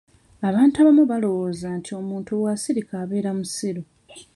Abantu abamu balowooza nti omuntu bw'asirika abeera musiru.